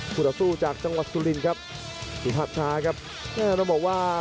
ต่อสู้จากจังหวัดสุรินครับสุภาพช้าครับแม่ต้องบอกว่า